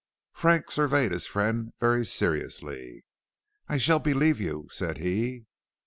Frank surveyed his friend very seriously. "I shall believe you," said he.